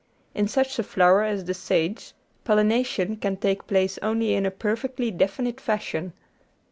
In such a flower as the sage, pollination can take place only in a perfectly definite fashion.